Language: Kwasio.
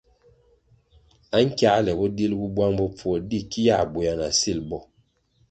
Ankiāle bo dilgu bwang bopfuo di ki yā bwéa na sil bo.